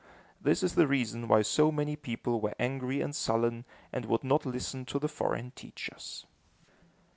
This is the reason why so many people were angry and sullen, and would not listen to the foreign teachers.